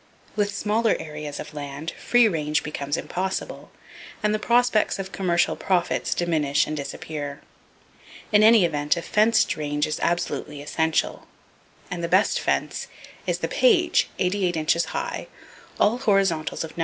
With smaller areas of land, free range [Page 371] becomes impossible, and the prospects of commercial profits diminish and disappear. In any event, a fenced range is absolutely essential; and the best fence is the Page, 88 inches high, all horizontals of No.